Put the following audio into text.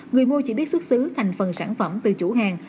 người mua chỉ biết xuất xứ thành phần sản phẩm từ chủ hàng